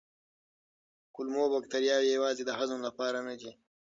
کولمو بکتریاوې یوازې د هضم لپاره نه دي.